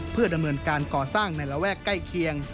เพื่อดำเนินการก่อสร้างในระแวกใกล้เคียง